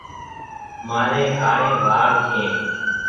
مآري ڪآڙي وآڙ ڇي۔